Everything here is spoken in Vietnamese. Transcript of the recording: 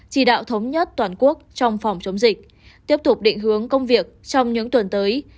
chỉ đạo thống nhất toàn quốc trong phòng chống dịch tiếp tục định hướng công việc trong những tuần tới